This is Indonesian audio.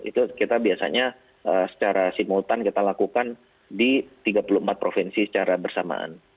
itu kita biasanya secara simultan kita lakukan di tiga puluh empat provinsi secara bersamaan